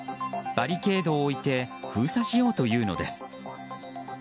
バリケードを置いて封鎖しようというのです。